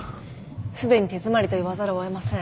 既に手詰まりと言わざるをえません。